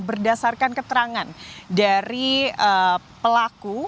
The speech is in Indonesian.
berdasarkan keterangan dari pelaku